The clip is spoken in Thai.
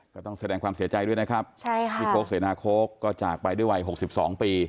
ก็ต้องแสดงความเสียใจด้วยนะครับพี่โค้กเสนาโค้กก็จากไปด้วยวัย๖๒ปี